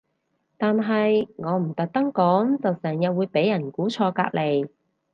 但係我唔特登講就成日會俾人估錯隔離